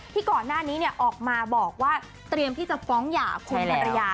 ที่ก่อนหน้านี้ออกมาบอกว่าเตรียมที่จะฟ้องหย่าคุณภรรยา